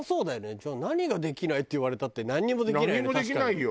じゃあ何ができない？っていわれたってなんにもできないよね